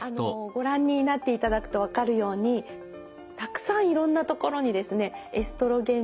ご覧になっていただくと分かるようにたくさんいろんなところにですねエストロゲン